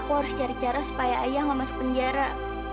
aku harus cari cara supaya ayah gak masuk penjara